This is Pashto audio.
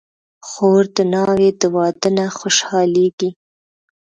خور د ناوې د واده نه خوشحالېږي.